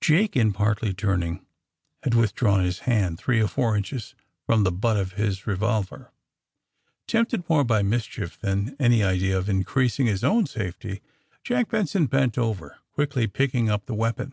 Jake, in partly turning, had withdrawn his hand three or four inches from the butt of his revolver. Tempted more by mischief than any idea of increasing his own safety. Jack Benson bent over, quickly picking up the weapon.